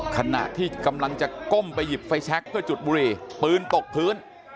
ขณะที่กำลังจะก้มไปหยิบไฟแชคเพื่อจุดบุหรี่ปืนตกพื้น